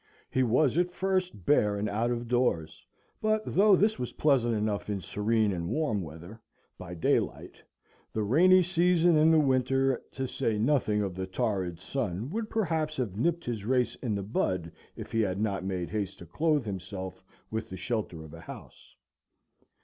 He was at first bare and out of doors; but though this was pleasant enough in serene and warm weather, by daylight, the rainy season and the winter, to say nothing of the torrid sun, would perhaps have nipped his race in the bud if he had not made haste to clothe himself with the shelter of a house.